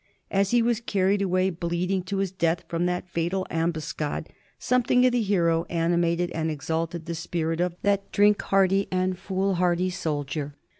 As he was carried away, bleeding, to his death, from that fatal ambuscade, something of the hero animated and exalted 1769. JAMES WOLFE. 287 the spirit of that drink hardy and foolhardy soldier.